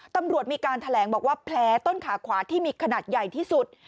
ตำรวจมีการแถลงบอกว่าแผลต้นขาขวาที่มีขนาดใหญ่ที่สุด